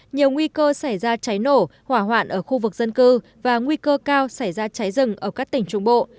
nhiều nguy cơ xảy ra cháy nổ hỏa hoạn ở khu vực dân cư và nguy cơ cao xảy ra cháy rừng ở các tỉnh trung bộ